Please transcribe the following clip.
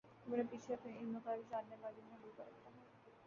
وہ اپنے پیچھے اپنی علمِغیب جاننے والی محبوبہ رکھتا ہے